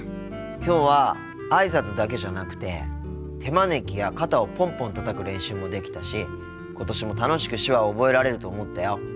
きょうはあいさつだけじゃなくて手招きや肩をポンポンたたく練習もできたし今年も楽しく手話を覚えられると思ったよ。